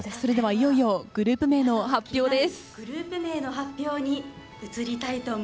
いよいよグループ名の発表です。